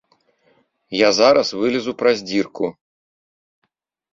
Я зараз вылезу праз дзірку.